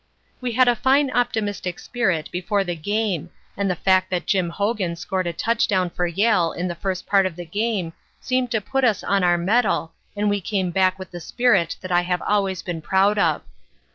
"We had a fine optimistic spirit before the game and the fact that Jim Hogan scored a touchdown for Yale in the first part of the game seemed to put us on our mettle and we came back with the spirit that I have always been proud of.